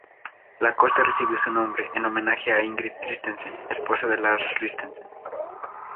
La costa recibió su nombre en homenaje a Ingrid Christensen, esposa de Lars Christensen.